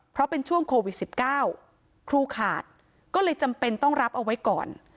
เพราะเป็นช่วงโควิด๑๙ครูขาดก็เลยจำเป็นต้องรับเอาไว้ก่อน